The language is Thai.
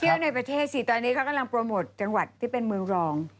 ตอนนี้เขากำลังโปรโมทจังหวัดที่เป็นเมืองรอง